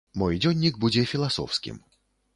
Мой дзённік будзе філасофскім.